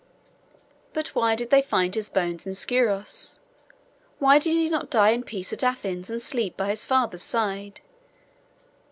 But why did they find his bones in Scuros? Why did he not die in peace at Athens, and sleep by his father's side?